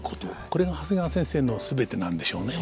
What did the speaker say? これが長谷川先生の全てなんでしょうね。